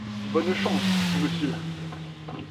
Bonne chance, monsieur.